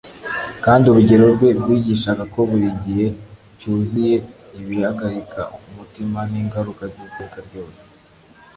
kandi urugero rwe rwigishaga ko buri gihe cyuzuye ibihagarika umutima n'ingaruka z'iteka ryose